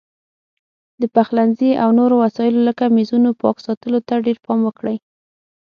د پخلنځي او نورو وسایلو لکه میزونو پاک ساتلو ته ډېر پام وکړئ.